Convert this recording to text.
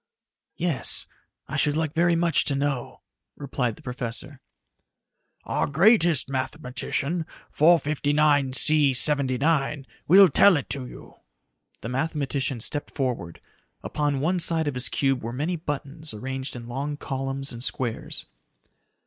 "Yes, I should like very much to know," replied the professor. "Our greatest mathematician, 459C 79, will tell it to you." The mathematician stepped forward. Upon one side of his cube were many buttons arranged in long columns and squares.